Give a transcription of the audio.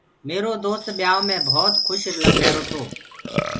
ميرو دوست ٻيآيو مي ڀوت کُش لگرهيرو تو۔